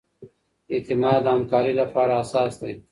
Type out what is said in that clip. اعتماد د همکارۍ لپاره اساس دی.